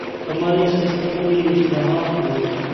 په مالي سیستم کې اصلاحات و.